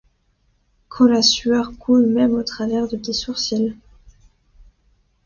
quand la sueur coule même au travers de tes sourcils.